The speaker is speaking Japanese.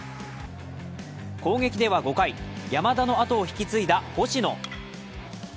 攻撃では５回、山田のあとを引き継いだ星野。